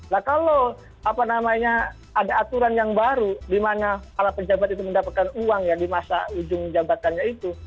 nah kalau apa namanya ada aturan yang baru di mana para pejabat itu mendapatkan uang ya di masa ujung jabatannya itu